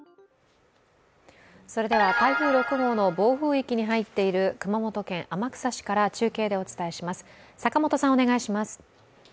台風６号の暴風域に入っている熊本県天草市から中継でお伝えします。